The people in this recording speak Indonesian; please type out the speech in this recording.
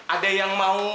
ada yang mau